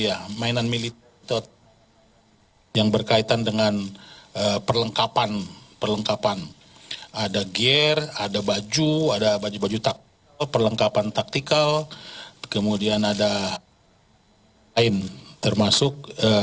yang berkaitan dengan perlengkapan ada gear ada baju ada baju baju taktikal perlengkapan taktikal kemudian ada lain termasuk